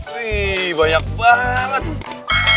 wih banyak banget